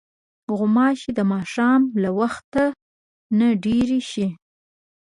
غوماشې د ماښام له وخت نه ډېرې شي.